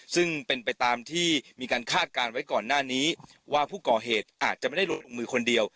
ซึ่งเป็นไปตามที่มีการคาดการณ์ไว้ก่อนหน้านี้ว่าผู้ก่อเหตุอาจจะไม่ได้ลงมือคนเดียว